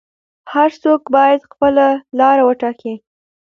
هر څوک باید خپله لاره وټاکي.